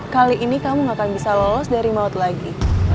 kali ini kamu gak akan bisa lolos dari maut lagi